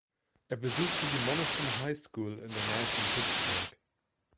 Er besuchte die Monessen High School in der Nähe von Pittsburgh.